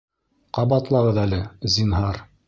Ҡабатлағыҙ әле, зинһар